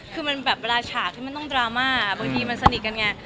คือมันแบบเวลาฉากที่มันต้องดราม่าบางทีมันสนิทกันไง